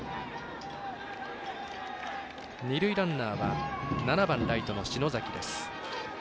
二塁ランナーは７番ライトの篠崎です。